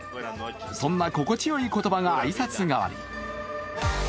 そんな心地よい言葉が挨拶代わり。